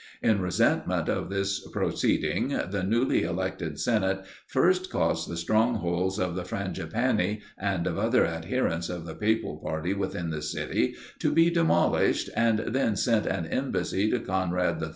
In resentment of this proceeding, the newly elected senate first caused the strongholds of the Frangipani, and of other adherents of the papal party within the city, to be demolished, and then sent an embassy to Conrad III.